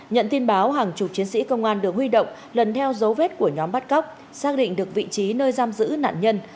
nhận tin báo hàng chục chiến sĩ công an được huy động lần theo dấu vết của nhóm bắt cóc xác định được vị trí nơi giam giữ nạn nhân